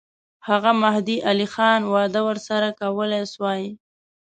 هغه مهدي علي خان وعده ورسره کولای سوای.